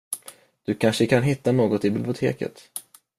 Du kanske kan hitta något i biblioteket.